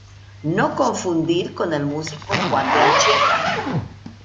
No confundir con el músico Juan de Anchieta.